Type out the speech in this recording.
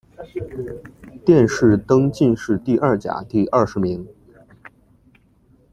殿试登进士第二甲第二十名。